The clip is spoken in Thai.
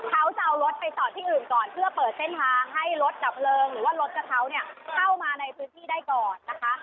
เขาจะเอารถไปจอดที่อื่นก่อนเพื่อเปิดเส้นทางให้รถดับเพลิงหรือว่ารถกับเขาเนี่ยเข้ามาในพื้นที่ได้ก่อนนะคะ